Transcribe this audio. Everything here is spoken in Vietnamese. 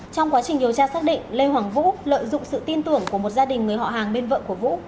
trong quá trình điều tra xác định lê hoàng vũ lợi dụng sự tin tưởng của một gia đình người họ hàng bên vợ của vũ